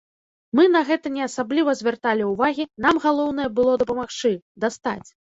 Мы на гэта не асабліва звярталі ўвагі, нам галоўнае было дапамагчы, дастаць.